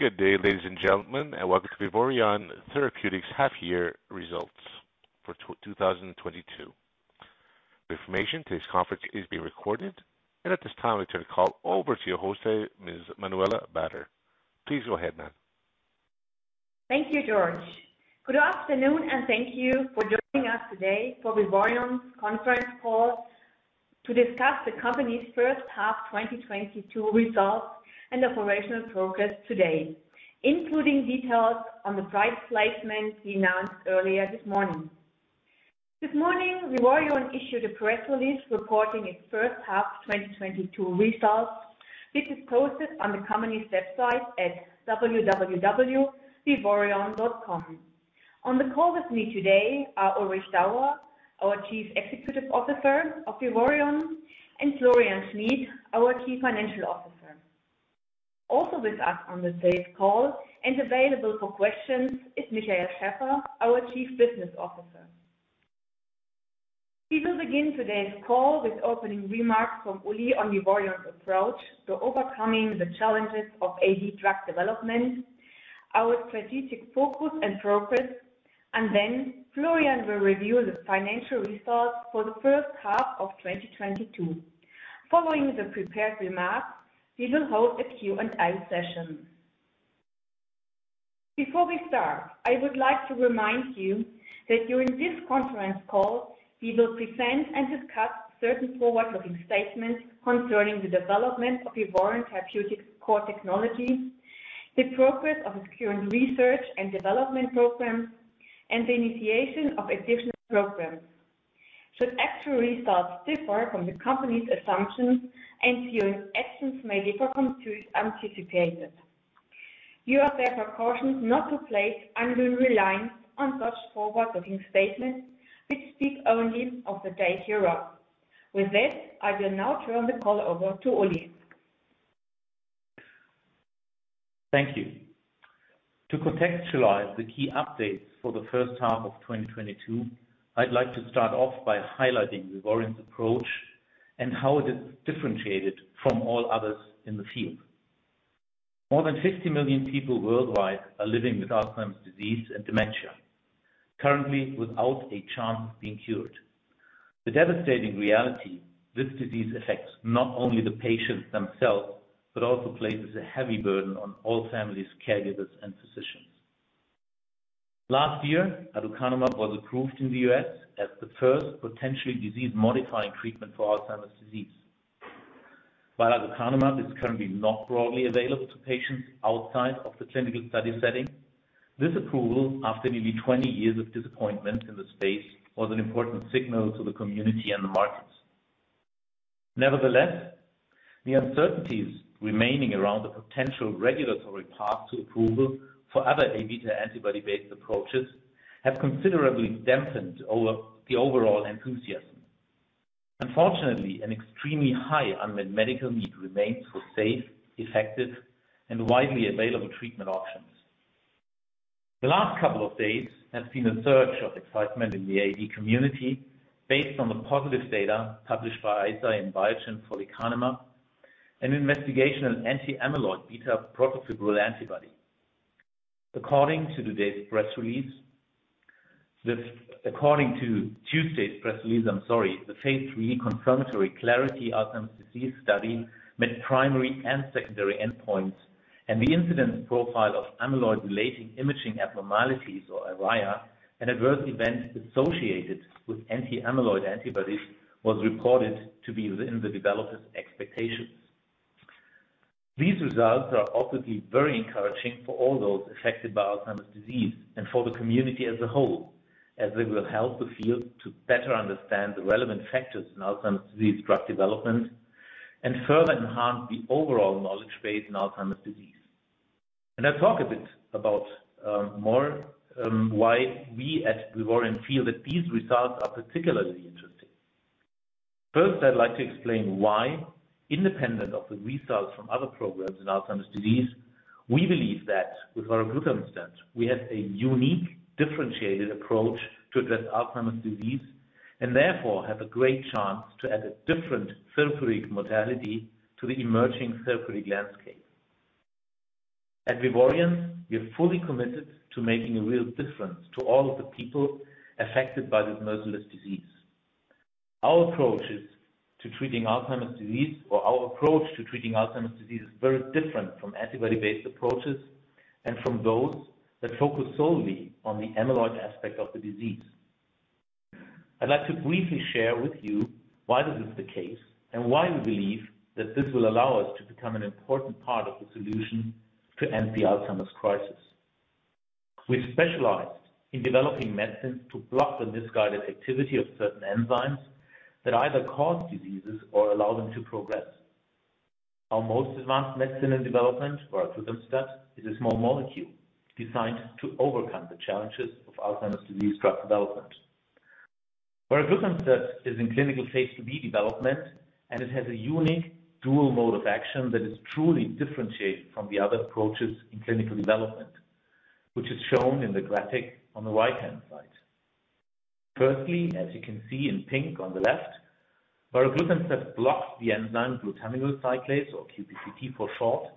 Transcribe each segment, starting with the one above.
Good day, ladies and gentlemen, and welcome to Vivoryon Therapeutics Half Year Results for 2022. For information, today's conference is being recorded. At this time, I turn the call over to your host today, Ms. Manuela Bader. Please go ahead, ma'am. Thank you, George. Good afternoon, and thank you for joining us today for Vivoryon's conference call to discuss the company's H1 2022 results and operational progress today, including details on the private placement we announced earlier this morning. This morning, Vivoryon issued a press release reporting its H1 2022 results, which is posted on the company's website at www.vivoryon.com. On the call with me today are Ulrich Dauer, our Chief Executive Officer of Vivoryon, and Florian Schmid, our Chief Financial Officer. Also with us on today's call and available for questions is Michael Schaeffer, our Chief Business Officer. We will begin today's call with opening remarks from Uli on Vivoryon's approach to overcoming the challenges of AD drug development, our strategic focus and progress, and then Florian will review the financial results for the H1 of 2022. Following the prepared remarks, we will hold a Q&A session. Before we start, I would like to remind you that during this conference call, we will present and discuss certain forward-looking statements concerning the development of Vivoryon Therapeutics' core technologies, the progress of its current research and development programs, and the initiation of additional programs. Should actual results differ from the company's assumptions, our actions may differ from those anticipated. You are therefore cautioned not to place undue reliance on such forward-looking statements, which speak only of the day hereof. With this, I will now turn the call over to Ulrich Dauer. Thank you. To contextualize the key updates for the H1 of 2022, I'd like to start off by highlighting Vivoryon's approach and how it is differentiated from all others in the field. More than 50 million people worldwide are living with Alzheimer's disease and dementia, currently without a chance of being cured. The devastating reality, this disease affects not only the patients themselves, but also places a heavy burden on all families, caregivers, and physicians. Last year, Aducanumab was approved in the U.S. as the first potentially disease-modifying treatment for Alzheimer's disease. While aducanumab is currently not broadly available to patients outside of the clinical study setting, this approval, after nearly 20 years of disappointment in the space, was an important signal to the community and the markets. Nevertheless, the uncertainties remaining around the potential regulatory path to approval for other Abeta antibody-based approaches have considerably dampened the overall enthusiasm. Unfortunately, an extremely high unmet medical need remains for safe, effective, and widely available treatment options. The last couple of days have seen a surge of excitement in the AD community based on the positive data published by Eisai and Biogen for lecanemab, an investigational anti-amyloid beta protofibril antibody. According to Tuesday's press release, I'm sorry, the phase III confirmatory Clarity AD study met primary and secondary endpoints, and the incidence profile of amyloid-related imaging abnormalities, or ARIA, an adverse event associated with anti-amyloid antibodies, was reported to be within the developer's expectations. These results are obviously very encouraging for all those affected by Alzheimer's disease and for the community as a whole, as they will help the field to better understand the relevant factors in Alzheimer's disease drug development and further enhance the overall knowledge base in Alzheimer's disease. I'll talk a bit about more why we at Vivoryon feel that these results are particularly interesting. First, I'd like to explain why, independent of the results from other programs in Alzheimer's disease, we believe that with varoglutamstat, we have a unique, differentiated approach to address Alzheimer's disease and therefore have a great chance to add a different therapeutic modality to the emerging therapeutic landscape. At Vivoryon, we are fully committed to making a real difference to all of the people affected by this merciless disease. Our approach to treating Alzheimer's disease is very different from antibody-based approaches and from those that focus solely on the amyloid aspect of the disease. I'd like to briefly share with you why this is the case and why we believe that this will allow us to become an important part of the solution to end the Alzheimer's crisis. We specialize in developing medicines to block the misguided activity of certain enzymes that either cause diseases or allow them to progress. Our most advanced medicine in development, varoglutamstat, is a small molecule designed to overcome the challenges of Alzheimer's disease drug development. Varoglutamstat is in clinical phase IIb development, and it has a unique dual mode of action that is truly differentiated from the other approaches in clinical development, which is shown in the graphic on the right-hand side. Firstly, as you can see in pink on the left, varoglutamstat blocks the enzyme glutaminyl cyclase or QPCT for short,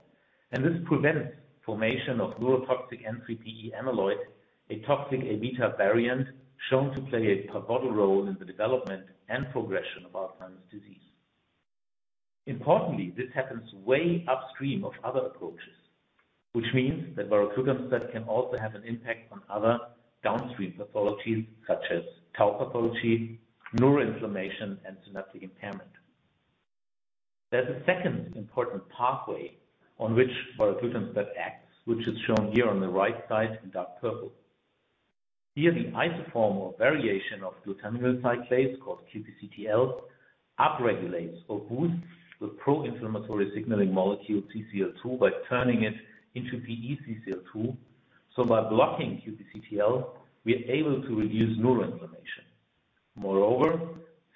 and this prevents formation of neurotoxic N3pE amyloid, a toxic Abeta variant shown to play a pivotal role in the development and progression of Alzheimer's disease. Importantly, this happens way upstream of other approaches, which means that varoglutamstat can also have an impact on other downstream pathologies such as tau pathology, neural inflammation, and synaptic impairment. There's a second important pathway on which varoglutamstat acts, which is shown here on the right side in dark purple. Here the isoform or variation of glutaminyl cyclase called QPCTL upregulates or boosts the pro-inflammatory signaling molecule CCL2 by turning it into pE-CCL2. By blocking QPCTL, we are able to reduce neural inflammation. Moreover,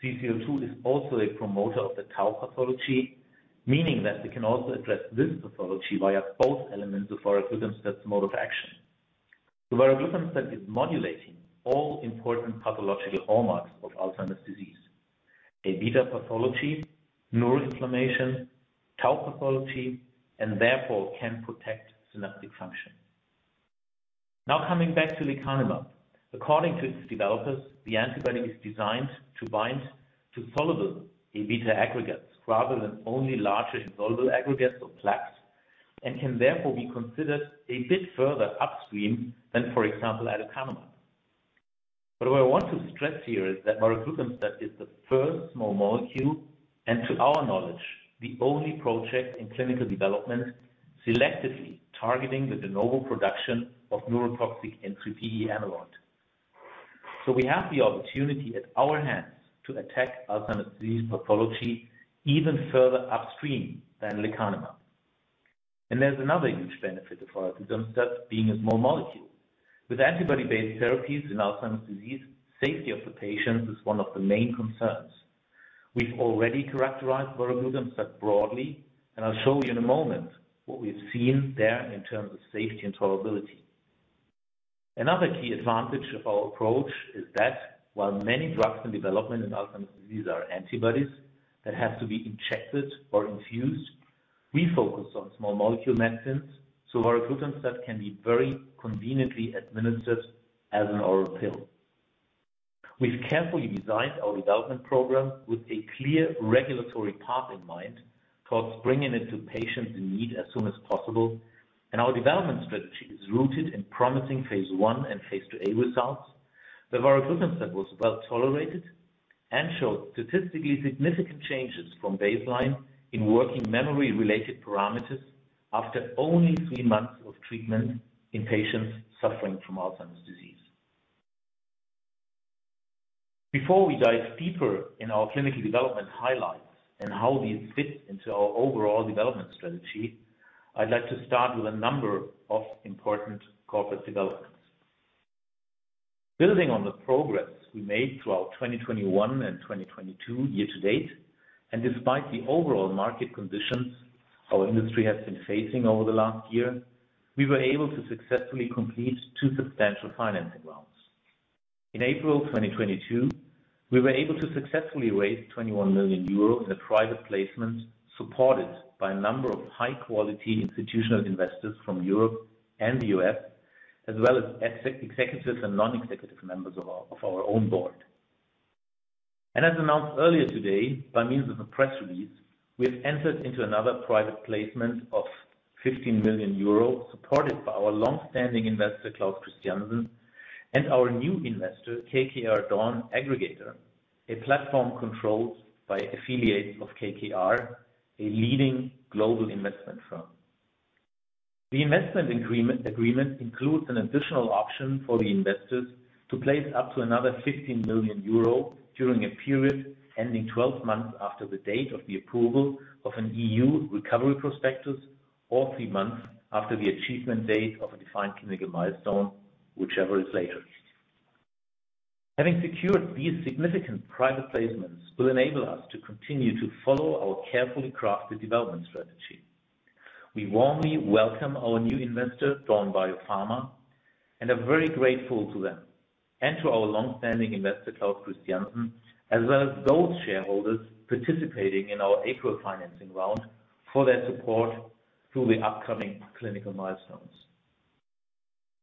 CCL2 is also a promoter of the tau pathology, meaning that we can also address this pathology via both elements of varoglutamstat mode of action. Varoglutamstat is modulating all important pathological hallmarks of Alzheimer's disease, Abeta pathology, neural inflammation, tau pathology, and therefore can protect synaptic function. Now, coming back to lecanemab. According to its developers, the antibody is designed to bind to soluble Abeta aggregates rather than only larger insoluble aggregates or plaques, and can therefore be considered a bit further upstream than, for example, aducanumab. What I want to stress here is that varoglutamstat is the first small molecule, and to our knowledge, the only project in clinical development selectively targeting the de novo production of neurotoxic N3pE amyloid. We have the opportunity at our hands to attack Alzheimer's disease pathology even further upstream than lecanemab. There's another huge benefit of varoglutamstat being a small molecule. With antibody-based therapies in Alzheimer's disease, safety of the patients is one of the main concerns. We've already characterized varoglutamstat broadly, and I'll show you in a moment what we've seen there in terms of safety and tolerability. Another key advantage of our approach is that while many drugs in development in Alzheimer's disease are antibodies that have to be injected or infused, we focus on small molecule medicines, so varoglutamstat can be very conveniently administered as an oral pill. We've carefully designed our development program with a clear regulatory path in mind towards bringing it to patients in need as soon as possible. Our development strategy is rooted in promising phase 1 and phase 2a results, where varoglutamstat was well tolerated and showed statistically significant changes from baseline in working memory-related parameters after only three months of treatment in patients suffering from Alzheimer's disease. Before we dive deeper in our clinical development highlights and how these fit into our overall development strategy, I'd like to start with a number of important corporate developments. Building on the progress we made throughout 2021 and 2022 year to date, and despite the overall market conditions our industry has been facing over the last year, we were able to successfully complete two substantial financing rounds. In April 2022, we were able to successfully raise 21 million euros in a private placement, supported by a number of high-quality institutional investors from Europe and the U.S., as well as ex-executives and non-executive members of our own board. As announced earlier today by means of a press release, we have entered into another private placement of 15 million euros, supported by our long-standing investor, Claus Christiansen, and our new investor, KKR Dawn Aggregator, a platform controlled by affiliates of KKR, a leading global investment firm. The investment agreement includes an additional option for the investors to place up to another 15 million euro during a period ending 12 months after the date of the approval of an EU Recovery Prospectus, or three months after the achievement date of a defined clinical milestone, whichever is later. Having secured these significant private placements will enable us to continue to follow our carefully crafted development strategy. We warmly welcome our new investor, Dawn Biopharma, and are very grateful to them and to our long-standing investor, Claus Christiansen, as well as those shareholders participating in our April financing round for their support through the upcoming clinical milestones.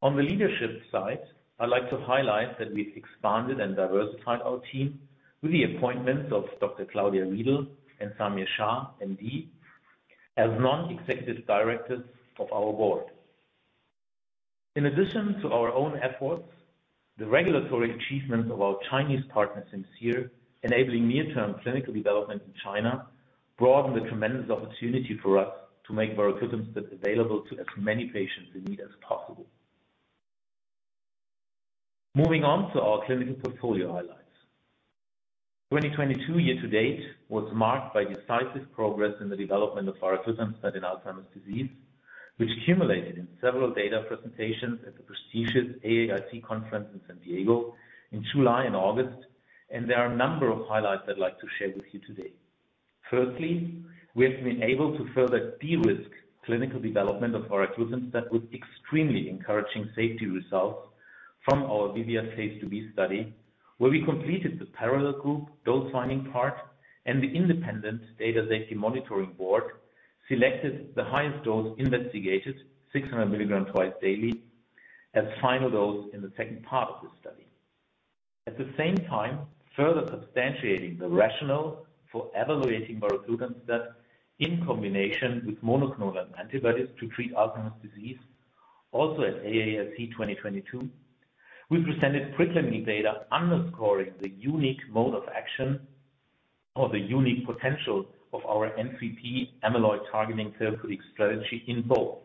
On the leadership side, I'd like to highlight that we've expanded and diversified our team with the appointments of Dr. Claudia Riedl and Samir Shah, MD, as non-executive directors of our board. In addition to our own efforts, the regulatory achievements of our Chinese partner, Simcere, enabling near-term clinical development in China, broaden the tremendous opportunity for us to make varoglutamstat available to as many patients in need as possible. Moving on to our clinical portfolio highlights. 2022 year to date was marked by decisive progress in the development of varoglutamstat in Alzheimer's disease, which culminated in several data presentations at the prestigious AAIC conference in San Diego in July and August. There are a number of highlights I'd like to share with you today. Firstly, we have been able to further de-risk clinical development of varoglutamstat with extremely encouraging safety results from our VIVIAD phase IIb study, where we completed the parallel group dose finding part and the independent data safety monitoring board selected the highest dose investigated, 600 milligrams twice daily, as final dose in the second part of the study. At the same time, further substantiating the rationale for evaluating varoglutamstat in combination with monoclonal antibodies to treat Alzheimer's disease, also at AAIC 2022, we presented preclinical data underscoring the unique mode of action or the unique potential of our N3pE amyloid targeting therapeutic strategy in both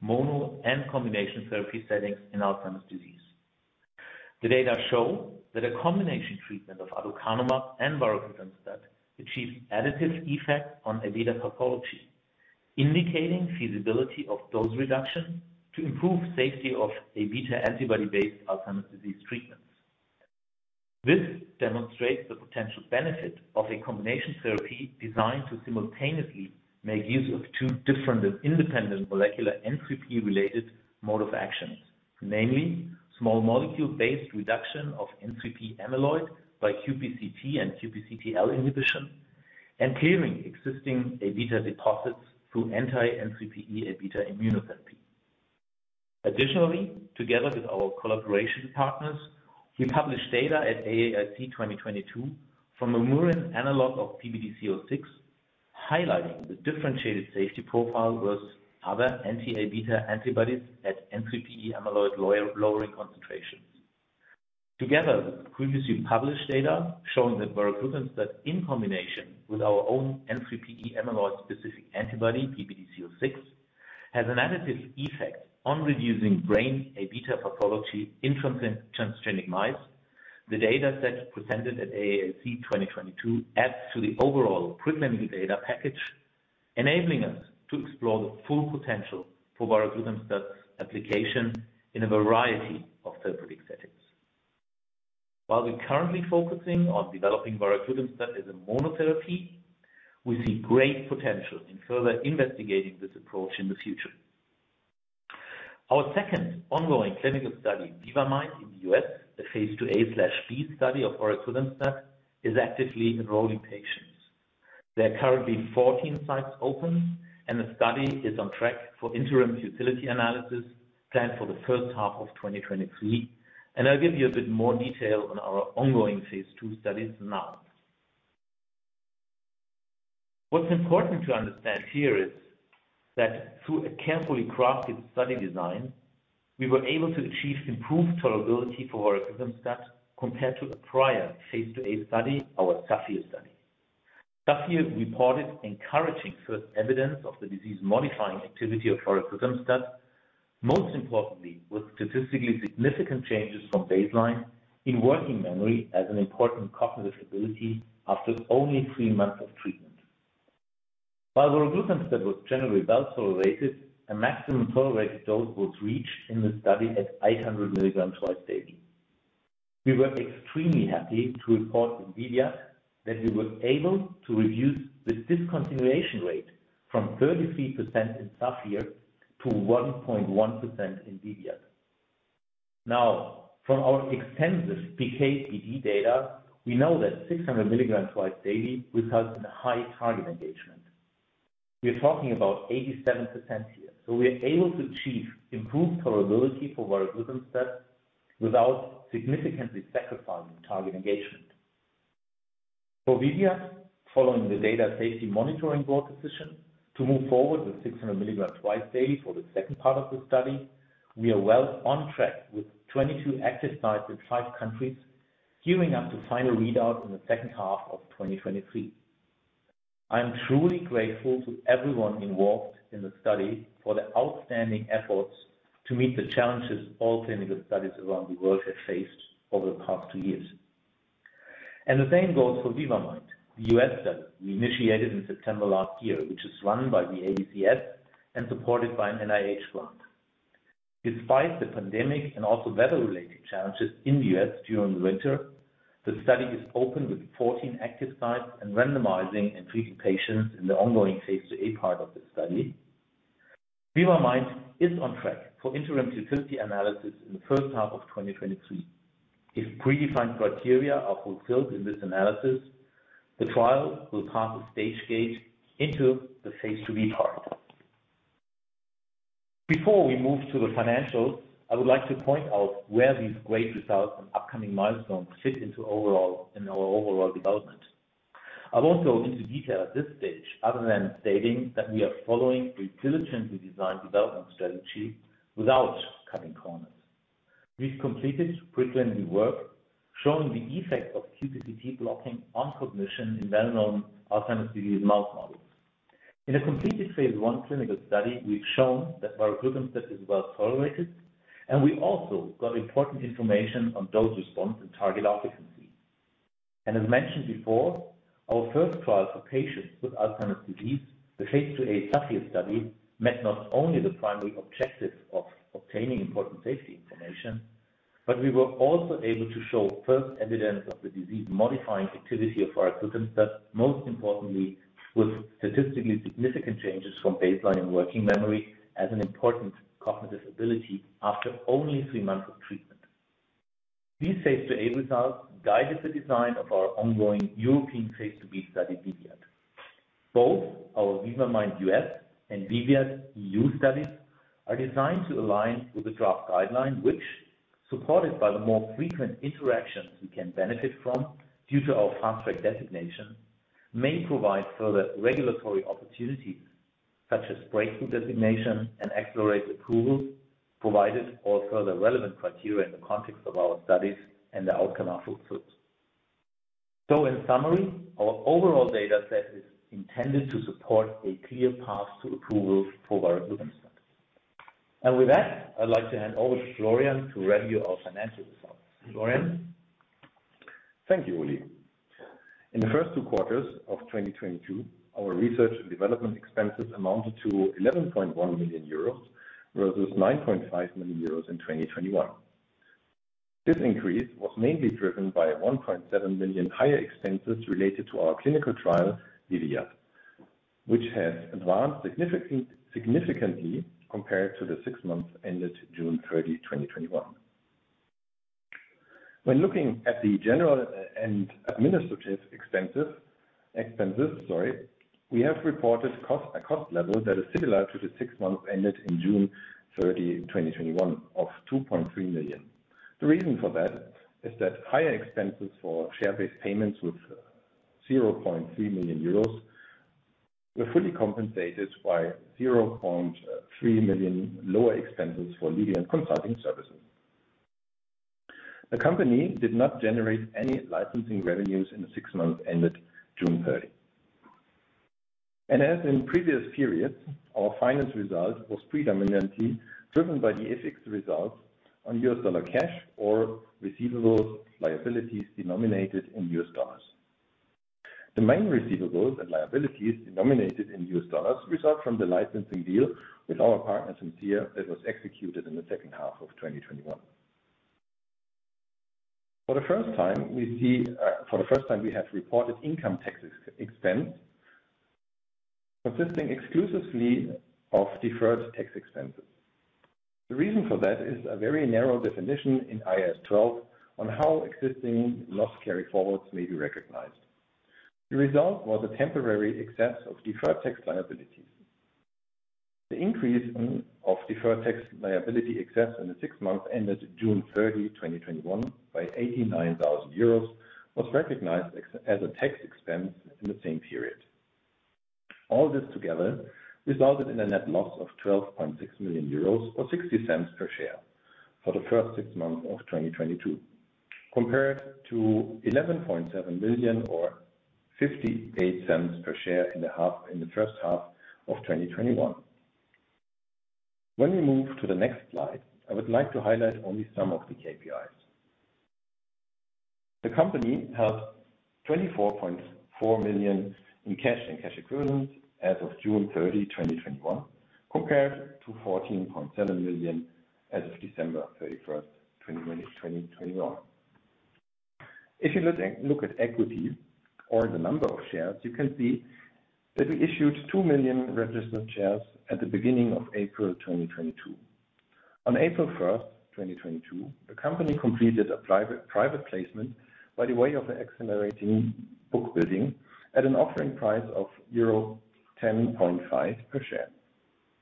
mono and combination therapy settings in Alzheimer's disease. The data show that a combination treatment of aducanumab and varoglutamstat achieves additive effect on Abeta pathology, indicating feasibility of dose reduction to improve safety of Abeta antibody-based Alzheimer's disease treatments. This demonstrates the potential benefit of a combination therapy designed to simultaneously make use of two different and independent molecular N3pE related mode of actions, namely small molecule-based reduction of N3pE amyloid by QPCT and QPCTL inhibition and clearing existing Abeta deposits through anti-N3pE Abeta immunotherapy. Together with our collaboration partners, we published data at AAIC 2022 from a murine analog of PBD-C06, highlighting the differentiated safety profile versus other anti-Abeta antibodies at N3pE amyloid-lowering concentrations. Together with previously published data showing that varoglutamstat in combination with our own N3pE amyloid-specific antibody, PBD-C06, has an additive effect on reducing brain Abeta pathology in transgenic mice. The data set presented at AAIC 2022 adds to the overall preclinical data package, enabling us to explore the full potential for varoglutamstat application in a variety of therapeutic settings. While we're currently focusing on developing varoglutamstat as a monotherapy, we see great potential in further investigating this approach in the future. Our second ongoing clinical study, VIVA-MIND in the U.S., the phase IIa plus b study of varoglutamstat, is actively enrolling patients. There are currently 14 sites open and the study is on track for interim futility analysis planned for the H1 of 2023. I'll give you a bit more detail on our ongoing phase II studies now. What's important to understand here is that through a carefully crafted study design, we were able to achieve improved tolerability for varoglutamstat compared to the prior phase IIa study, our SAPPHIRE study. SAPPHIRE reported encouraging first evidence of the disease-modifying activity of varoglutamstat, most importantly, with statistically significant changes from baseline in working memory as an important cognitive ability after only three months of treatment. While varoglutamstat was generally well-tolerated, a maximum tolerated dose was reached in the study at 800 milligrams twice daily. We were extremely happy to report in VIVIAD that we were able to reduce the discontinuation rate from 33% in SAPPHIRE to 1.1% in VIVIAD. Now, from our extensive PK/PD data, we know that 600 milligrams twice daily results in high target engagement. We're talking about 87% here. We're able to achieve improved tolerability for varoglutamstat without significantly sacrificing target engagement. For VIVIAD, following the data safety monitoring board decision to move forward with 600 milligrams twice daily for the second part of the study, we are well on track with 22 active sites in five countries, gearing up to final readout in the H2 of 2023. I am truly grateful to everyone involved in the study for their outstanding efforts to meet the challenges all clinical studies around the world have faced over the past two years. The same goes for VIVA-MIND, the U.S. study we initiated in September last year, which is run by the ADCS and supported by an NIH grant. Despite the pandemic and also weather-related challenges in the U.S. during the winter, the study is open with 14 active sites and randomizing and treating patients in the ongoing phase IIa part of the study. VIVA-MIND is on track for interim futility analysis in the H1 of 2023. If predefined criteria are fulfilled in this analysis, the trial will pass a stage gate into the phase IIb part. Before we move to the financials, I would like to point out where these great results and upcoming milestones fit into overall, in our overall development. I won't go into detail at this stage other than stating that we are following the diligently designed development strategy without cutting corners. We've completed preclinical work showing the effect of QPCT blocking on cognition in well-known Alzheimer's disease mouse models. In a completed phase I clinical study, we've shown that varoglutamstat is well-tolerated, and we also got important information on dose response and target efficacy. As mentioned before, our first trial for patients with Alzheimer's disease, the phase IIa SAPPHIRE study, met not only the primary objective of obtaining important safety information. We were also able to show first evidence of the disease-modifying activity of varoglutamstat, most importantly, with statistically significant changes from baseline and working memory as an important cognitive ability after only three months of treatment. These phase IIa results guided the design of our ongoing European phase IIb study, VIVIAD. Both our VIVA-MIND U.S. and VIVIAD EU studies are designed to align with the draft guideline, which, supported by the more frequent interactions we can benefit from due to our fast track designation, may provide further regulatory opportunities such as breakthrough designation and accelerated approval, provided all further relevant criteria in the context of our studies and the outcome are fulfilled. In summary, our overall data set is intended to support a clear path to approval for varoglutamstat. With that, I'd like to hand over to Florian to run you our financial results. Florian? Thank you, Uli. In the first two quarters of 2022, our research and development expenses amounted to 11.1 million euros, versus 9.5 million euros in 2021. This increase was mainly driven by 1.7 million higher expenses related to our clinical trial, VIVIAD, which has advanced significantly compared to the six months ended June 30th, 2021. When looking at the general and administrative expenses, we have reported a cost level that is similar to the six months ended in June 30th, 2021 of 2.3 million. The reason for that is that higher expenses for share-based payments with 0.3 million euros were fully compensated by 0.3 million lower expenses for legal and consulting services. The company did not generate any licensing revenues in the six months ended June 30th. As in previous periods, our finance result was predominantly driven by the FX results on US dollar cash or receivables, liabilities denominated in US dollars. The main receivables and liabilities denominated in US dollars result from the licensing deal with our partner, Simcere, that was executed in the H2 of 2021. For the first time, we have reported income tax expense consisting exclusively of deferred tax expenses. The reason for that is a very narrow definition in IAS 12 on how existing loss carry-forwards may be recognized. The result was a temporary excess of deferred tax liabilities. The increase in deferred tax liability excess in the six months ended June 30th, 2021 by 89,000 euros was recognized as a tax expense in the same period. All this together resulted in a net loss of 12.6 million euros or 0.60 per share for the first six months of 2022, compared to 11.7 million or 0.58 per share in the H1 of 2021. When we move to the next slide, I would like to highlight only some of the KPIs. The company has 24.4 million in cash and cash equivalents as of June 30th, 2021, compared to 14.7 million as of December 31st, 2021. If you look at equity or the number of shares, you can see that we issued 2 million registered shares at the beginning of April 2022. On April 1st, 2022, the company completed a private placement by way of accelerated bookbuild at an offering price of euro 10.5 per share.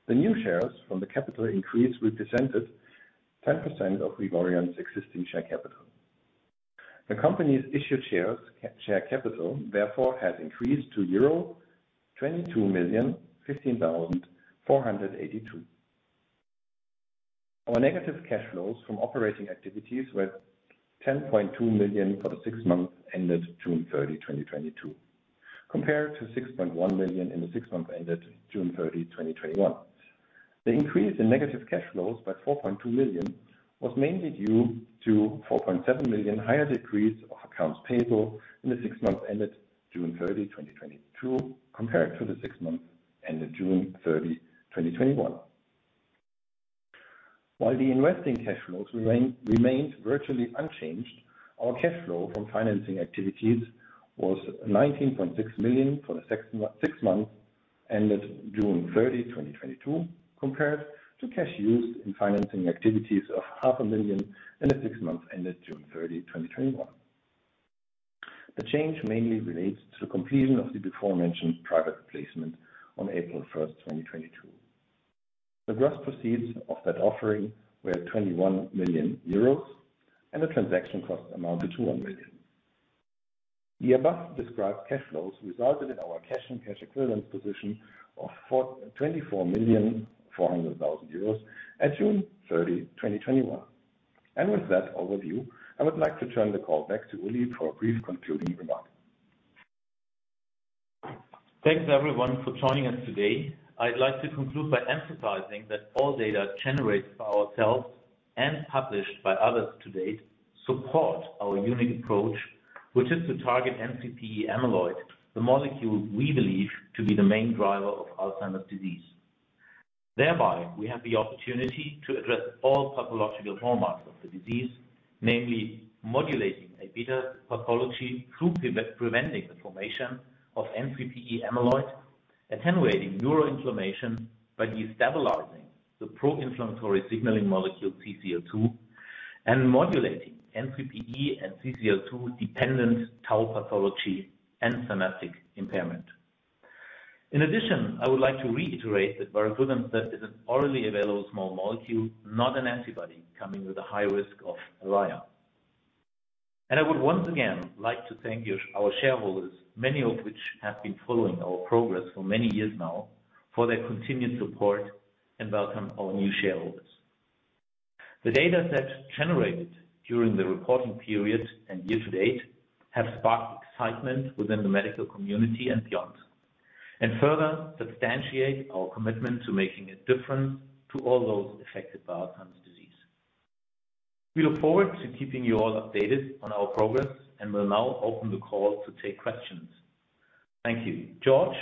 The new shares from the capital increase represented 10% of Vivoryon's existing share capital. The company's issued share capital, therefore, has increased to euro 22,015,482. Our negative cash flows from operating activities were 10.2 million for the six months ended June 30th, 2022, compared to 6.1 million in the six months ended June 30th, 2021. The increase in negative cash flows by 4.2 million was mainly due to 4.7 million higher decrease of accounts payable in the six months ended June 30th, 2022, compared to the six months ended June 30th, 2021. While the investing cash flows remained virtually unchanged, our cash flow from financing activities was 19.6 million for the six months ended June 30th, 2022, compared to cash used in financing activities of half a million EUR in the six months ended June 30th, 2021. The change mainly relates to completion of the aforementioned private placement on April 1st, 2022. The gross proceeds of that offering were 21 million euros, and the transaction cost amounted to 1 million. The above described cash flows resulted in our cash and cash equivalents position of 24.4 million euros at June 30th, 2021. With that overview, I would like to turn the call back to Uli for a brief concluding remark. Thanks, everyone for joining us today. I'd like to conclude by emphasizing that all data generated by ourselves and published by others to date support our unique approach, which is to target N3pE amyloid, the molecule we believe to be the main driver of Alzheimer's disease. Thereby, we have the opportunity to address all pathological hallmarks of the disease, namely modulating Abeta pathology through preventing the formation of N3pE amyloid, attenuating neuroinflammation by destabilizing the pro-inflammatory signaling molecule CCL2, and modulating N3pE and CCL2-dependent tau pathology and synaptic impairment. In addition, I would like to reiterate that varoglutamstat is an orally available small molecule, not an antibody, coming with a high risk of ARIA. I would once again like to thank you, our shareholders, many of which have been following our progress for many years now, for their continued support, and welcome our new shareholders. The data set generated during the reporting period and year to date have sparked excitement within the medical community and beyond, and further substantiate our commitment to making a difference to all those affected by Alzheimer's disease. We look forward to keeping you all updated on our progress, and will now open the call to take questions. Thank you. George.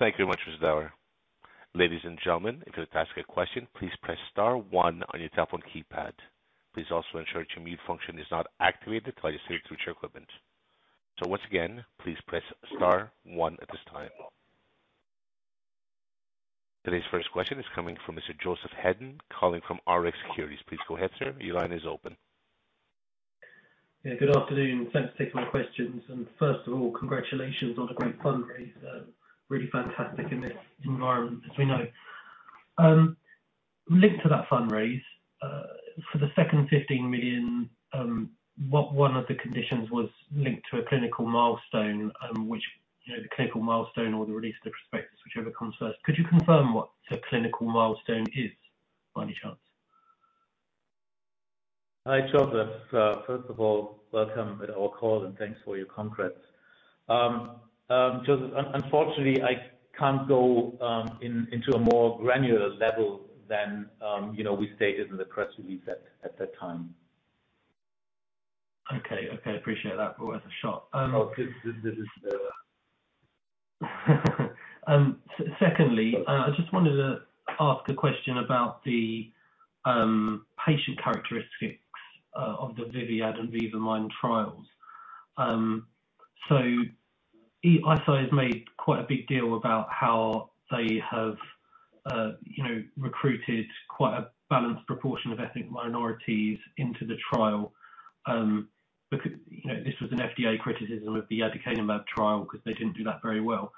Thank you very much, Mr. Dauer. Ladies and gentlemen, if you'd ask a question, please press star one on your telephone keypad. Please also ensure your mute function is not activated until you speak through your equipment. Once again, please press star one at this time. Today's first question is coming from Mr. Joseph Hedden, calling from Rx Securities. Please go ahead, sir. Your line is open. Yeah. Good afternoon. Thanks for taking my questions. First of all, congratulations on a great fundraise. Really fantastic in this environment, as we know. Linked to that fundraise, for the second 15 million, one of the conditions was linked to a clinical milestone, which, you know, the clinical milestone or the release of the prospectus, whichever comes first. Could you confirm what the clinical milestone is, by any chance? Hi, Joseph. First of all, welcome to our call, and thanks for your congrats. Unfortunately, I can't go into a more granular level than you know, we stated in the press release at that time. Okay. Appreciate that. Worth a shot. No, this is. Secondly, I just wanted to ask a question about the patient characteristics of the VIVIAD and VIVA-MIND trials. Eisai has made quite a big deal about how they have, you know, recruited quite a balanced proportion of ethnic minorities into the trial, you know, this was an FDA criticism of the Aducanumab trial because they didn't do that very well.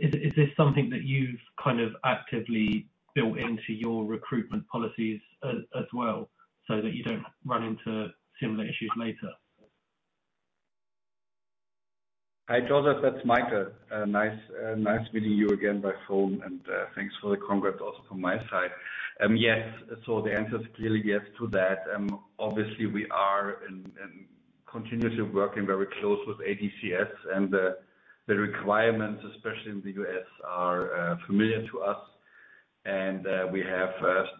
Is this something that you've kind of actively built into your recruitment policies as well, so that you don't run into similar issues later? Hi, Joseph, that's Michael. Nice meeting you again by phone and, thanks for the congrats also from my side. Yes. The answer is clearly yes to that. Obviously we are and continuously working very close with ADCS and the requirements, especially in the U.S. are familiar to us. We have,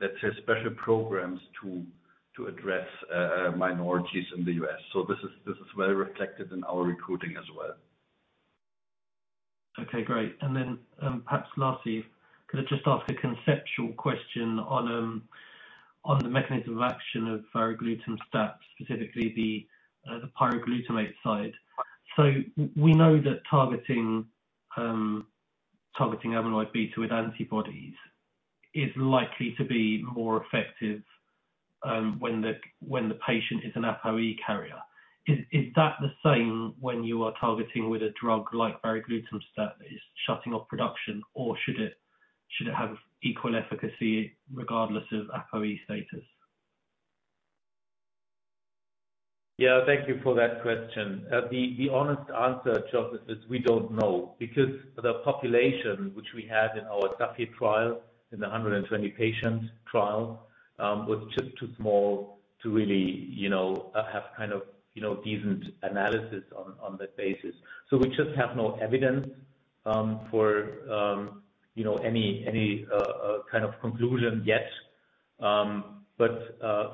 let's say special programs to address minorities in the U.S. This is well reflected in our recruiting as well. Okay, great. Perhaps lastly, could I just ask a conceptual question on the mechanism of action of varoglutamstat, specifically the pyroglutamate side? We know that targeting amyloid beta with antibodies is likely to be more effective when the patient is an APOE carrier. Is that the same when you are targeting with a drug like varoglutamstat is shutting off production or should it have equal efficacy regardless of APOE status? Yeah, thank you for that question. The honest answer, Joseph, is we don't know because the population which we have in our SAFE trial, in the 120 patients trial, was just too small to really, you know, have kind of, you know, decent analysis on that basis. We just have no evidence for you know, any kind of conclusion yet.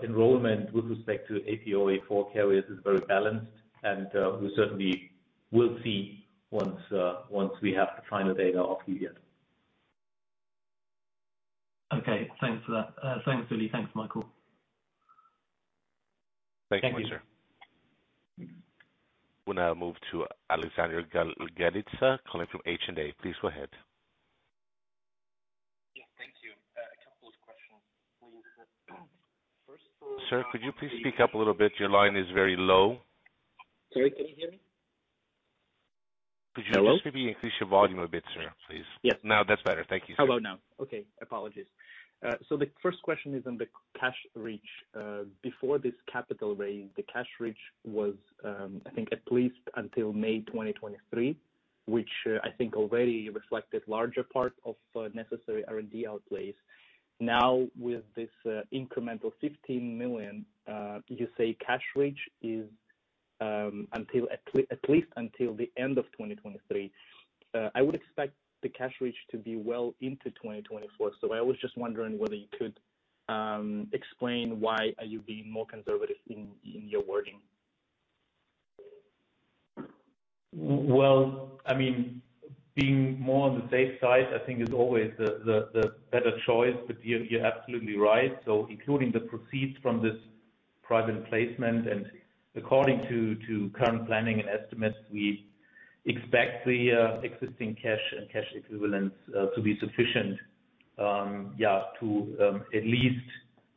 Enrollment with respect to APOE4 carriers is very balanced and we certainly will see once we have the final data of VIVIAD. Okay. Thanks for that. Thanks, Uli. Thanks, Michael. Thank you. Thank you, sir. We'll now move to Alexander Galitsa, calling from H&A. Please go ahead. Yeah. Thank you. A couple of questions, please. First of all. Sir, could you please speak up a little bit? Your line is very low. Sorry, can you hear me? Hello? Could you just maybe increase your volume a bit, sir, please? Yes. Now that's better. Thank you, sir. How about now? Okay, apologies. The first question is on the cash reach. Before this capital raise, the cash reach was, I think at least until May 2023, which I think already reflected larger part of necessary R&D outlays. Now, with this, incremental 15 million, you say cash reach is until at least the end of 2023. I would expect the cash reach to be well into 2024. I was just wondering whether you could explain why you are being more conservative in your wording? Well, I mean, being more on the safe side, I think is always the better choice. You're absolutely right. Including the proceeds from this private placement and according to current planning and estimates, we expect the existing cash and cash equivalents to be sufficient to at least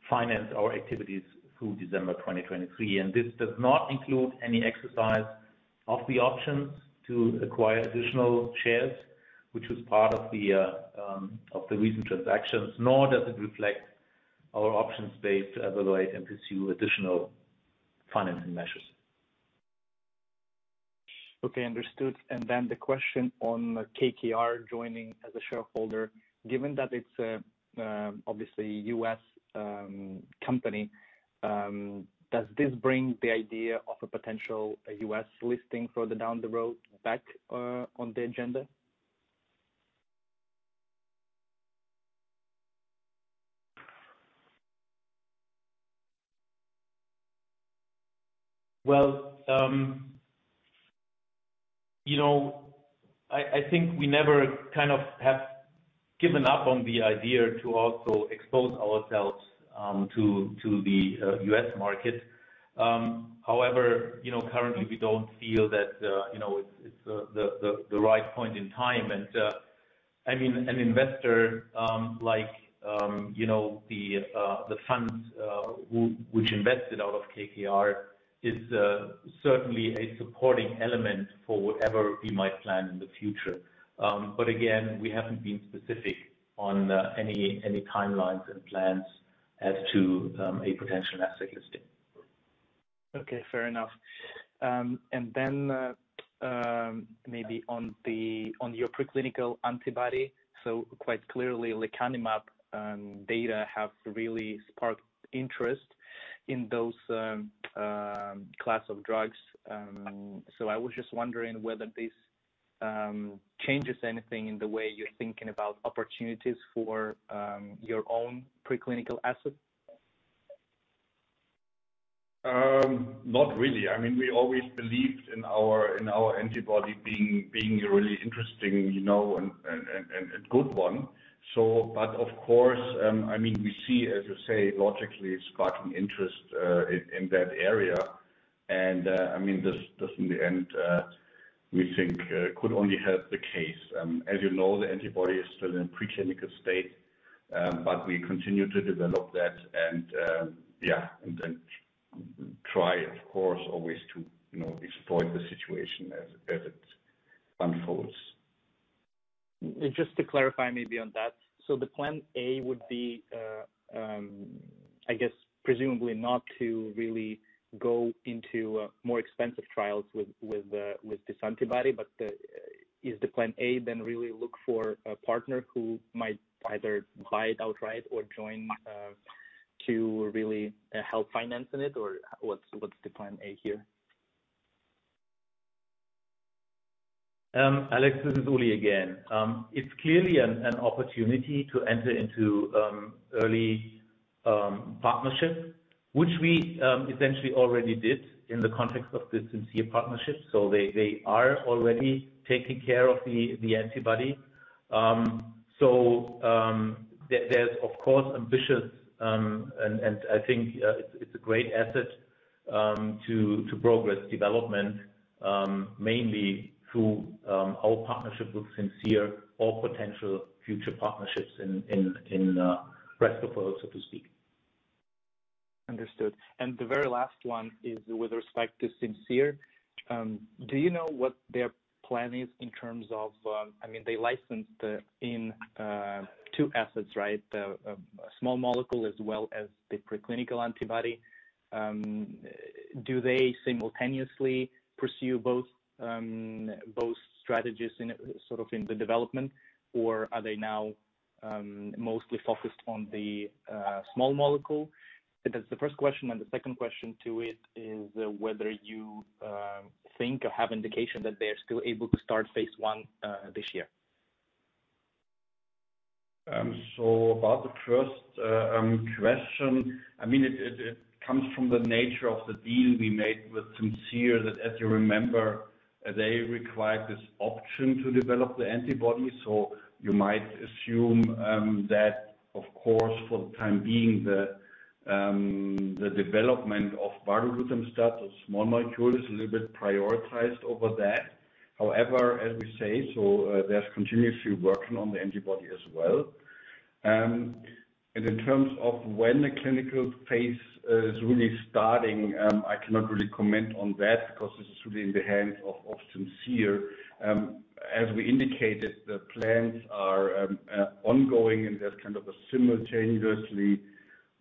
finance our activities through December 2023. This does not include any exercise of the options to acquire additional shares, which was part of the recent transactions, nor does it reflect our options base to evaluate and pursue additional financing measures. Okay, understood. The question on KKR joining as a shareholder. Given that it's a obviously U.S. company, does this bring the idea of a potential U.S. listing further down the road back on the agenda? Well, you know, I think we never kind of have given up on the idea to also expose ourselves to the U.S. market. However, you know, currently we don't feel that you know, it's the right point in time. I mean, an investor like you know, the funds which invested out of KKR is certainly a supporting element for whatever we might plan in the future. Again, we haven't been specific on any timelines and plans as to a potential asset listing. Okay, fair enough. Maybe on your preclinical antibody. Quite clearly, lecanemab data have really sparked interest in those class of drugs. I was just wondering whether this changes anything in the way you're thinking about opportunities for your own preclinical asset. Not really. I mean, we always believed in our antibody being really interesting, you know, and a good one. But of course, I mean, we see, as you say, logically sparking interest in that area. I mean, this in the end, we think, could only help the case. As you know, the antibody is still in preclinical stage, but we continue to develop that and, yeah, and then try, of course, always to, you know, exploit the situation as it unfolds. Just to clarify maybe on that. The plan A would be, I guess presumably not to really go into more expensive trials with this antibody, but is the plan A then really look for a partner who might either buy it outright or join to really help financing it? Or what's the plan A here? Alex, this is Uli again. It's clearly an opportunity to enter into early partnerships, which we essentially already did in the context of the Simcere partnership. They are already taking care of the antibody. There's of course ambitious and I think it's a great asset to progress development mainly through our partnership with Simcere or potential future partnerships in rest of world, so to speak. Understood. The very last one is with respect to Simcere. Do you know what their plan is in terms of, I mean, they licensed in two assets, right? The small molecule as well as the preclinical antibody. Do they simultaneously pursue both strategies in sort of in the development, or are they now mostly focused on the small molecule? That's the first question. The second question to it is whether you think or have indication that they are still able to start phase I this year. About the first question, I mean, it comes from the nature of the deal we made with Simcere that as you remember, they required this option to develop the antibody. You might assume that of course, for the time being, the development of varoglutamstat or small molecule is a little bit prioritized over that. However, as we say, there's continuously working on the antibody as well. In terms of when the clinical phase is really starting, I cannot really comment on that because this is really in the hands of Simcere. As we indicated, the plans are ongoing and there's kind of a simultaneously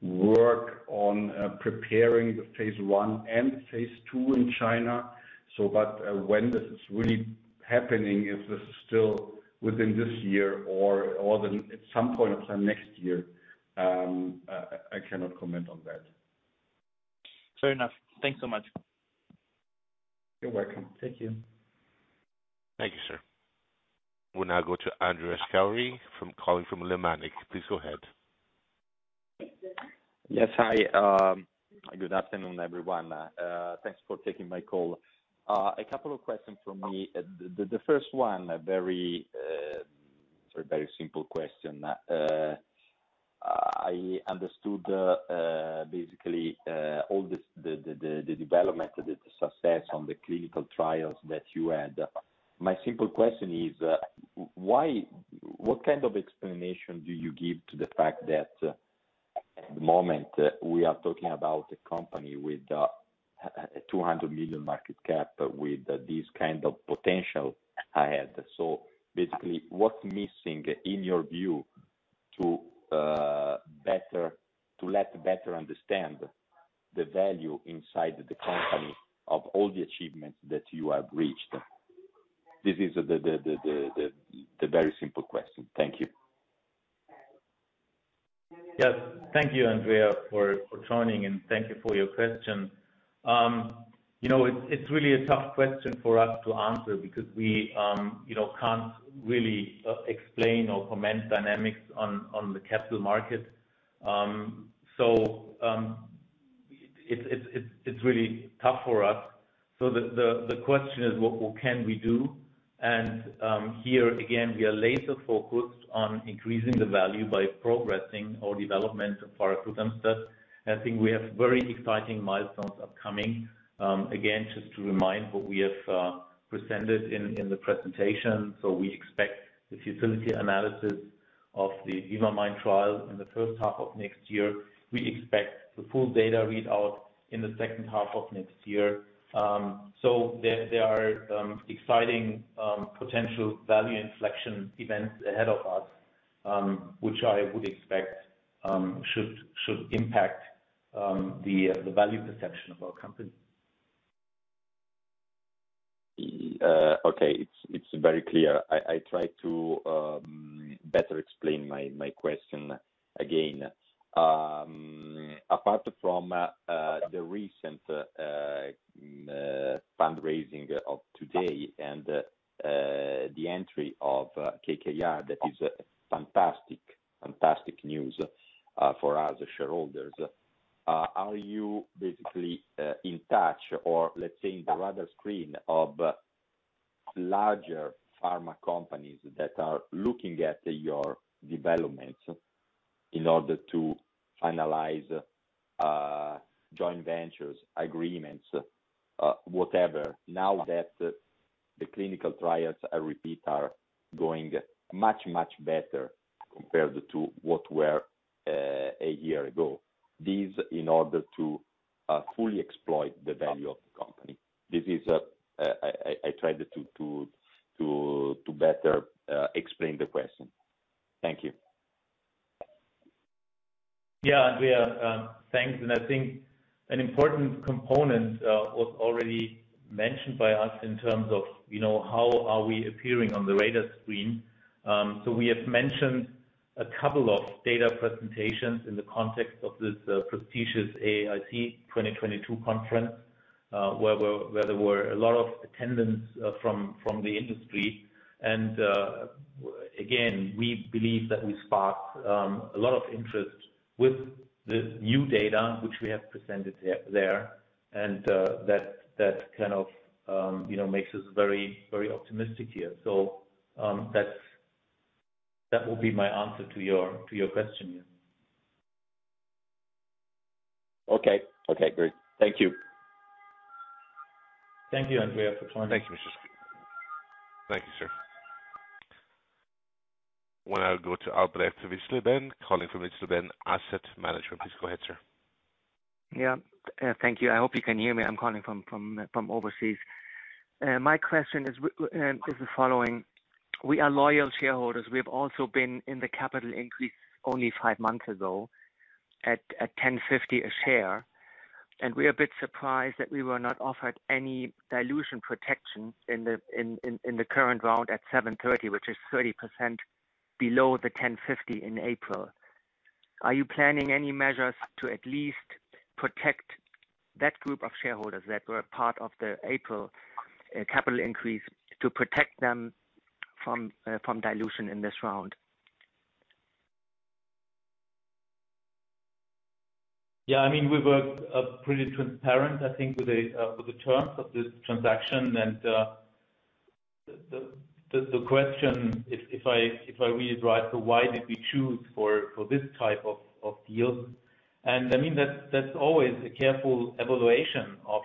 work on preparing the phase I and phase II in China. When this is really happening, if this is still within this year or at some point of time next year, I cannot comment on that. Fair enough. Thanks so much. You're welcome. Thank you. Thank you, sir. We'll now go to Andreas Scauri calling from Lemanik. Please go ahead. Yes. Hi, good afternoon, everyone. Thanks for taking my call. A couple of questions from me. The first one, a very simple question. I understood basically all the development, the success on the clinical trials that you had. My simple question is, what kind of explanation do you give to the fact that at the moment we are talking about a company with a 200 million market cap, with this kind of potential ahead. So basically, what's missing in your view to let better understand the value inside the company of all the achievements that you have reached. This is the very simple question. Thank you. Yes. Thank you, Andrea, for joining, and thank you for your question. It's really a tough question for us to answer because we can't really explain or comment on the dynamics of the capital markets. It's really tough for us. The question is what can we do? Here again, we are laser focused on increasing the value by progressing our development of varoglutamstat. I think we have very exciting milestones upcoming. Again, just to remind what we have presented in the presentation. We expect the futility analysis of the VIVA-MIND trial in the H1 of next year. We expect the full data readout in the H2 of next year. There are exciting potential value inflection events ahead of us, which I would expect should impact the value perception of our company. Okay. It's very clear. I try to better explain my question again. Apart from the recent fundraising of today and the entry of KKR, that is fantastic news for us as shareholders. Are you basically in touch or let's say, in the radar screen of larger pharma companies that are looking at your developments in order to finalize joint ventures, agreements, whatever. Now that the clinical trials, I repeat, are going much better compared to what were a year ago. These in order to fully exploit the value of the company. This is, I try to better explain the question. Thank you. Yeah, Andrea, thanks. I think an important component was already mentioned by us in terms of, you know, how are we appearing on the radar screen. We have mentioned a couple of data presentations in the context of this prestigious AAIC 2022 conference, where there were a lot of attendees from the industry. Again, we believe that we sparked a lot of interest with the new data which we have presented there and that kind of, you know, makes us very optimistic here. That will be my answer to your question, yeah. Okay, great. Thank you. Thank you Andreas. Turning back to. Thank you, sir. Want to go to Albrecht von Witzleben calling from von Witzleben Asset Management. Please go ahead, sir. Yeah. Thank you. I hope you can hear me. I'm calling from overseas. My question is the following. We are loyal shareholders. We have also been in the capital increase only five months ago at 10.50 a share, and we are a bit surprised that we were not offered any dilution protection in the current round at 7.30, which is 30% below the 10.50 in April. Are you planning any measures to at least protect that group of shareholders that were part of the April capital increase to protect them from dilution in this round? Yeah, I mean, we were pretty transparent, I think, with the terms of this transaction. The question if I read it right, so why did we choose for this type of deal? I mean, that's always a careful evaluation of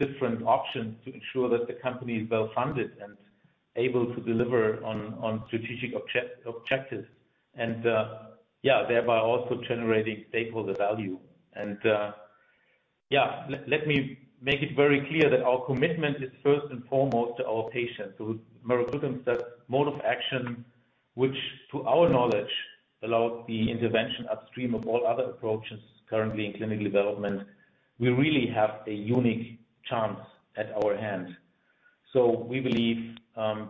different options to ensure that the company is well-funded and able to deliver on strategic objectives, yeah, thereby also generating stakeholder value. Let me make it very clear that our commitment is first and foremost to our patients, to varoglutamstat mode of action, which to our knowledge allows the intervention upstream of all other approaches currently in clinical development. We really have a unique chance in our hands. We believe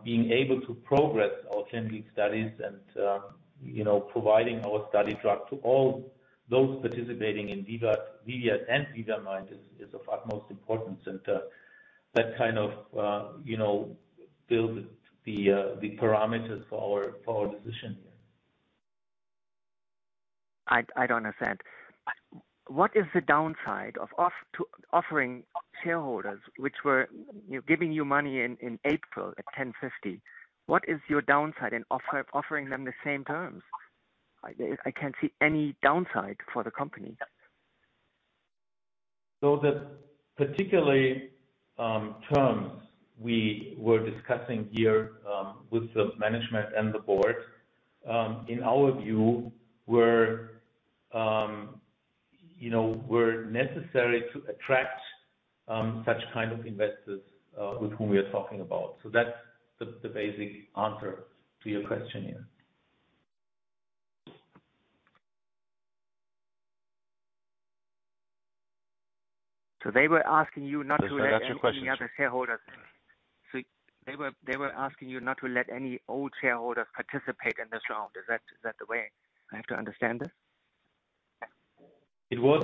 being able to progress our clinical studies and, you know, providing our study drug to all those participating in VIVA, VIVUS and VIVA-MIND is of utmost importance and That kind of, you know, build the parameters for our decision here. I don't understand. What is the downside of offering shareholders which were giving you money in April at 10.50, what is your downside in offering them the same terms? I can't see any downside for the company. The particular terms we were discussing here with the management and the board, in our view, were necessary to attract such kind of investors with whom we are talking about. That's the basic answer to your question here. They were asking you not to let- There's no actual questions. -any other shareholders. They were asking you not to let any old shareholders participate in this round. Is that the way I have to understand this? It was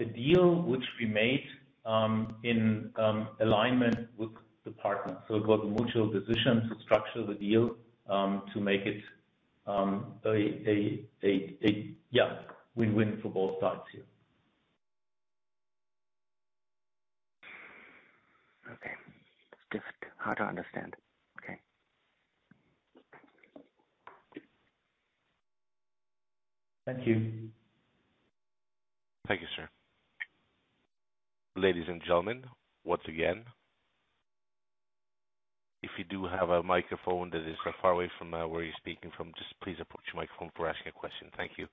a deal which we made in alignment with the partners. It was a mutual decision to structure the deal to make it a yeah win-win for both sides here. Okay. It's just hard to understand. Okay. Thank you. Thank you, sir. Ladies and gentlemen, once again, if you do have a microphone that is far away from where you're speaking from, just please approach your microphone before asking a question. Thank you.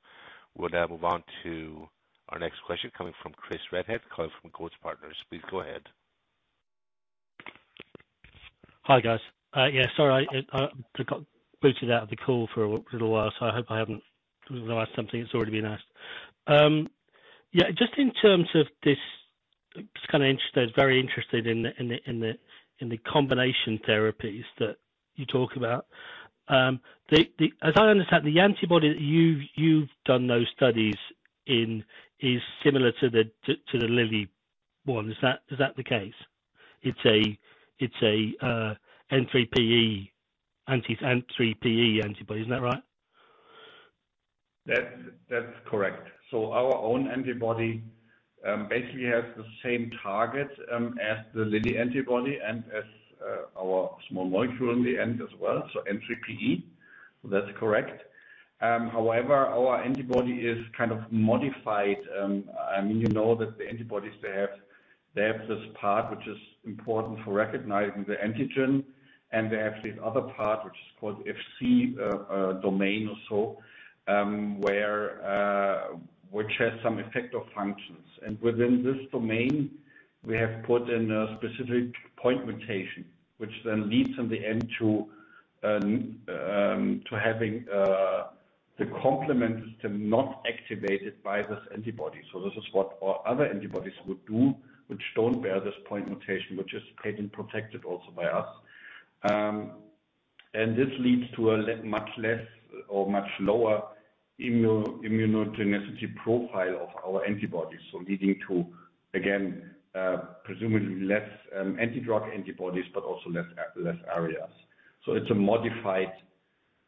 We'll now move on to our next question coming from Chris Redhead, calling from geotzartners. Please go ahead. Hi, guys. Yeah, sorry, I got booted out of the call for a little while, so I hope I haven't asked something that's already been asked. Yeah, just in terms of this, just kinda interested, very interested in the combination therapies that you talk about. As I understand, the antibody that you've done those studies in is similar to the Lilly one. Is that the case? It's a N3PE anti-N3PE antibody. Is that right? That's correct. Our own antibody basically has the same target as the Lilly antibody and as our small molecule in the end as well. N3pE. That's correct. However, our antibody is kind of modified. I mean, you know that the antibodies they have this part which is important for recognizing the antigen, and they have this other part which is called FC domain or so, which has some effector functions. Within this domain, we have put in a specific point mutation, which then leads in the end to having the complement system not activated by this antibody. This is what our other antibodies would do, which don't bear this point mutation, which is patent protected also by us. This leads to much less or much lower immunogenicity profile of our antibodies, leading to, again, presumably less antidrug antibodies, but also less ARIAs. It's a modified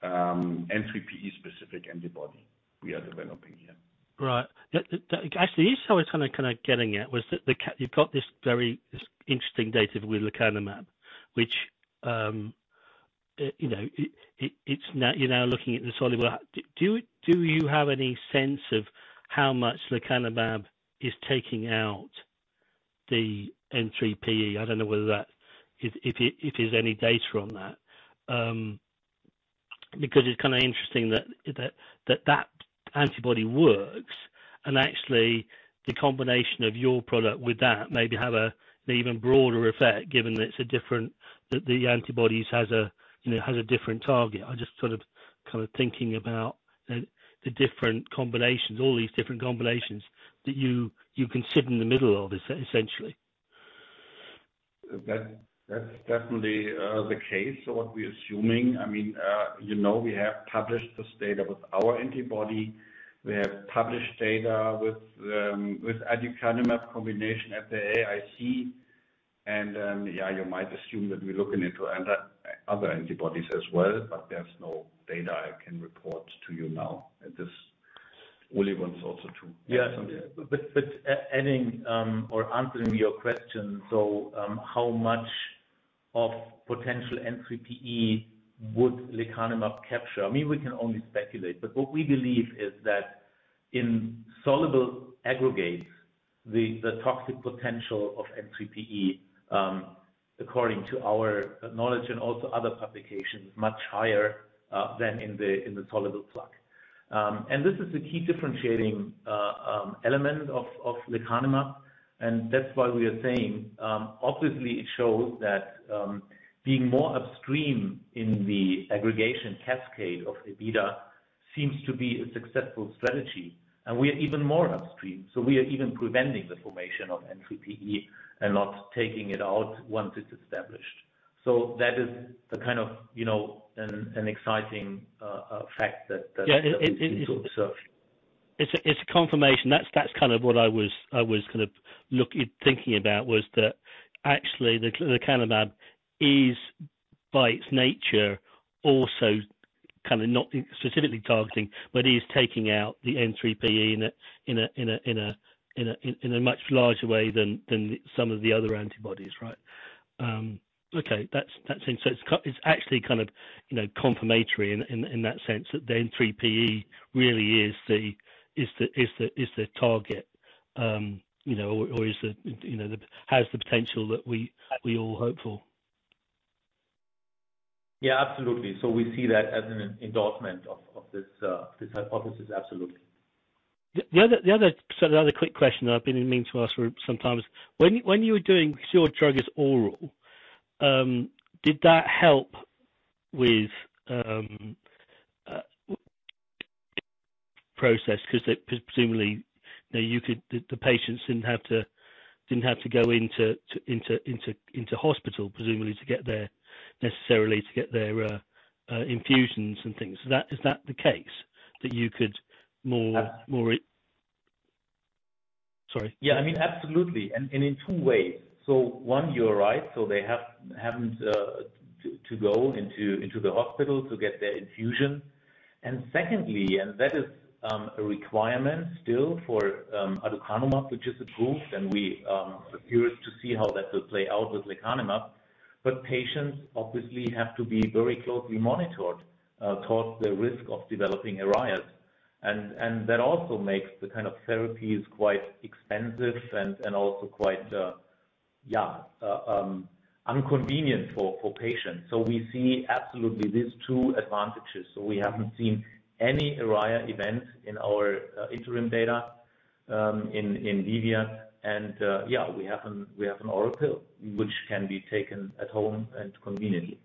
N3PE specific antibody we are developing here. Right. Actually, this is what I was kinda getting at, was that you've got this very interesting data with lecanemab, which, you know, it's now you're now looking at the soluble. Do you have any sense of how much lecanemab is taking out the N3pE? I don't know whether that. If there's any data on that. Because it's kinda interesting that that antibody works and actually the combination of your product with that maybe have a an even broader effect, given that it's a different. That the antibodies has a, you know, has a different target. I'm just sort of kind of thinking about the different combinations, all these different combinations that you can sit in the middle of essentially. That's definitely the case, or what we're assuming. I mean, you know, we have published this data with our antibody. We have published data with aducanumab combination at the AAIC. Yeah, you might assume that we're looking into other antibodies as well, but there's no data I can report to you now at this. Ulrich Dauer wants also to add something. Yeah. Adding or answering your question. How much of potential N3PE would lecanemab capture? I mean, we can only speculate, but what we believe is that in soluble aggregates, the toxic potential of N3PE, according to our knowledge and also other publications, much higher than in the soluble plaque. This is a key differentiating element of lecanemab, and that's why we are saying, obviously it shows that, being more upstream in the aggregation cascade of Abeta seems to be a successful strategy, and we are even more upstream. We are even preventing the formation of N3PE and not taking it out once it's established. That is the kind of, you know, an exciting fact that. Yeah. We've been observing. It's a confirmation. That's kind of what I was thinking about was that actually the lecanemab is by its nature, also kind of not specifically targeting, but is taking out the N3pE in a much larger way than some of the other antibodies, right? Okay, that's it. It's actually kind of, you know, confirmatory in that sense that the N3pE really is the target, you know, or is the, you know, has the potential that we all hope for. Yeah, absolutely. We see that as an endorsement of this hypothesis, absolutely. The other quick question I've been meaning to ask for some time. Your drug is oral, did that help with process? 'Cause presumably, you know, the patients didn't have to go into hospital, not necessarily to get their infusions and things. Is that the case that you could more? Sorry. Yeah, I mean, absolutely. In two ways. One, you're right. They have to go into the hospital to get their infusion. Secondly, that is a requirement still for aducanumab, which is approved, and we are curious to see how that will play out with lecanemab. Patients obviously have to be very closely monitored towards the risk of developing ARIA. That also makes the kind of therapies quite expensive and also quite inconvenient for patients. We see absolutely these two advantages. We haven't seen any ARIA events in our interim data in VIVIAD. We have an oral pill which can be taken at home and conveniently.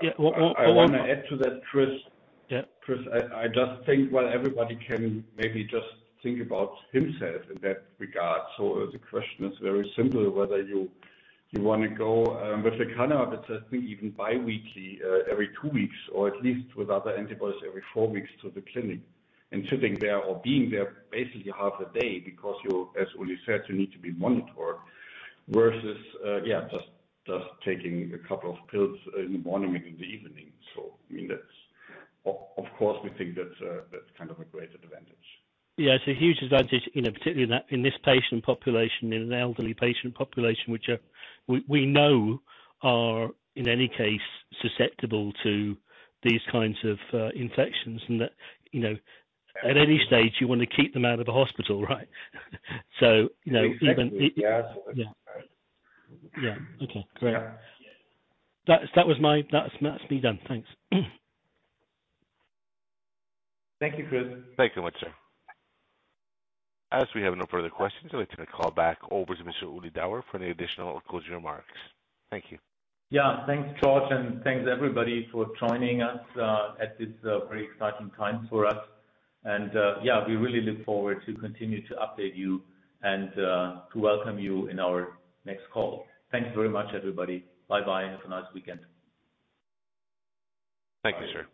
Yeah. Well. I want to add to that, Chris. Yeah. Chris, I just think while everybody can maybe just think about himself in that regard. The question is very simple, whether you wanna go with lecanemab, it's actually even bi-weekly, every two weeks, or at least with other antibodies every four weeks to the clinic, and sitting there or being there basically half a day because you, as Uli said, you need to be monitored versus just taking a couple of pills in the morning and in the evening. I mean, that's. Of course we think that's kind of a great advantage. Yeah, it's a huge advantage, you know, particularly in that, in this patient population, in an elderly patient population, which we know are in any case susceptible to these kinds of infections and that, you know, at any stage you want to keep them out of the hospital, right? So, you know, even- Exactly. Yeah. Yeah. Okay, great. That's me done. Thanks. Thank you, Chris. Thank you much, sir. As we have no further questions, I'd like to call back over to Mr. Ulrich Dauer for any additional closing remarks. Thank you. Yeah. Thanks, George, and thanks everybody for joining us at this very exciting time for us. Yeah, we really look forward to continue to update you and to welcome you in our next call. Thanks very much, everybody. Bye-bye. Have a nice weekend. Thank you, sir.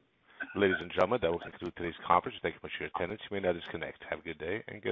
Ladies and gentlemen, that will conclude today's conference. Thank you for your attendance. You may now disconnect. Have a good day and goodbye.